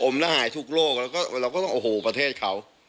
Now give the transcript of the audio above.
ระหายทุกโลกแล้วก็เราก็ต้องโอ้โหประเทศเขา